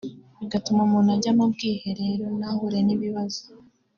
bituma umuntu ajya mu bwiherero ntahure n'ibibazo